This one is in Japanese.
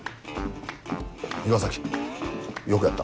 伊賀崎よくやった。